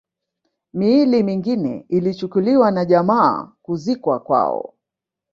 Miili mingine ilichukuliwa na jamaa kuzikwa kwao